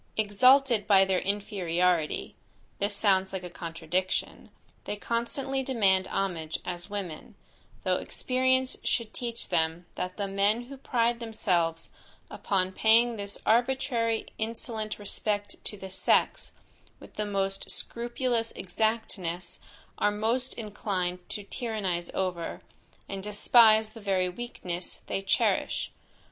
Exalted by their inferiority (this sounds like a contradiction) they constantly demand homage as women, though experience should teach them that the men who pride themselves upon paying this arbitrary insolent respect to the sex, with the most scrupulous exactness, are most inclined to tyrannize over, and despise the very weakness they cherish.